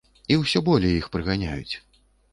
І ўсё болей іх прыганяюць.